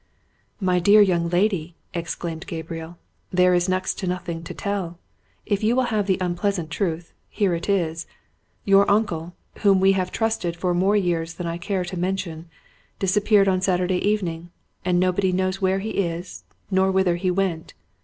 "My dear young lady!" exclaimed Gabriel, "there is next to nothing to tell. If you will have the unpleasant truth, here it is. Your uncle, whom we have trusted for more years than I care to mention, disappeared on Saturday evening, and nobody knows where he is, nor whither he went.